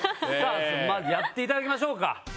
まずやっていただきましょうか。